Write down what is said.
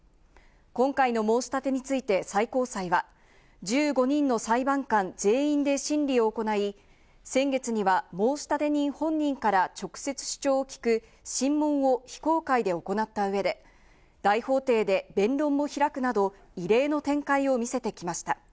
今回の申し立てについて、最高裁は１５人の裁判官全員で審理を行い、先月には、申立人本人から直接主張を聞く審問を非公開で行った上で、大法廷で弁論を開くなど、異例の展開を見せてきました。